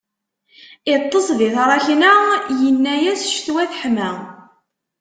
Iṭṭes di tṛakna, yina-as ccetwa teḥlem.